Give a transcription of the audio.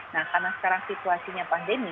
nah karena sekarang situasinya pandemi